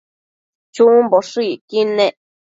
chumboshëcquid nec